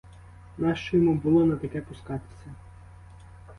Нащо йому було на таке пускатися?